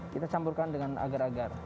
kita campurkan dengan agar agar